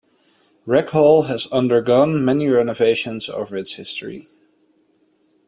Rec Hall has undergone many renovations over its history.